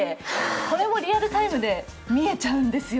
これもリアルタイムで見えちゃうんですよ。